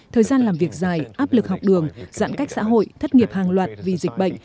thời gian làm việc dài áp lực học đường giãn cách xã hội thất nghiệp hàng loạt vì dịch bệnh